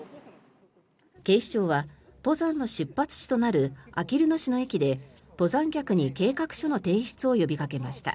警視庁は、登山の出発地となるあきる野市の駅で登山客に計画書の提出を呼びかけました。